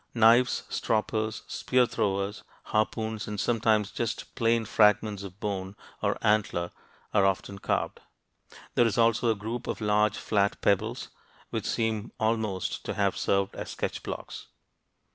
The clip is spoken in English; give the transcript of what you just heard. Knives, stroppers, spear throwers, harpoons, and sometimes just plain fragments of bone or antler are often carved. There is also a group of large flat pebbles which seem almost to have served as sketch blocks.